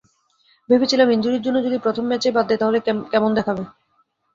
ভেবেছিলাম ইনজুরির জন্য যদি প্রথম ম্যাচেই বাদ দেয় তাহলে কেমন দেখাবে।